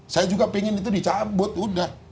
saya juga pengen itu dicabut udah